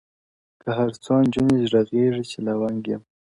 o که هر څو نجوني ږغېږي چي لونګ یم ـ